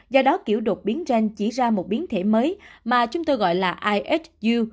do đó kiểu đột biến gen chỉ ra một biến thể mới mà chúng tôi gọi là isu